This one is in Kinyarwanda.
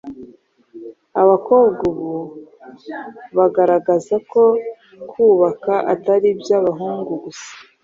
Abakobwa ubu bagaragaza ko kubaka atari iby’abahungu gusa